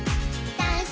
ダンス！」